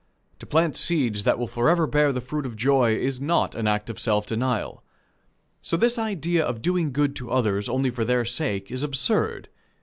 To plant seeds that will forever bear the fruit of joy, is not an act of self denial. So this idea of doing good to others only for their sake is absurd.